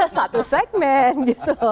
satu segmen gitu